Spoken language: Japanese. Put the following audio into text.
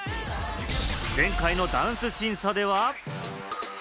前回のダンス審査では。